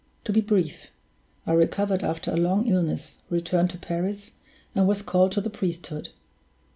To be brief, I recovered after a long illness, returned to Paris, and was called to the priesthood.